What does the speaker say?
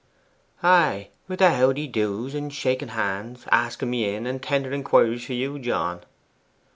'Ay, with their "How d'ye do's," and shaking of hands, asking me in, and tender inquiries for you, John.